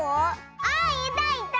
あいたいた！